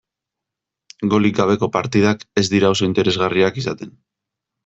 Golik gabeko partidak ez dira oso interesgarriak izaten.